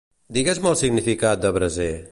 Digues-me el significat de braser.